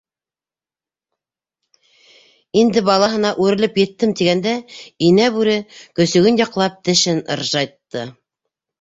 - Инде балаһына үрелеп еттем тигәндә, инә бүре, көсөгөн яҡлап, тешен ыржайтты.